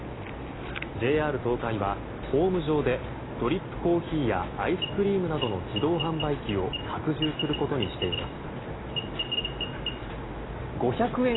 ＪＲ東海はホーム上でドリップコーヒーやアイスクリームなどの自動販売機を拡充することにしています。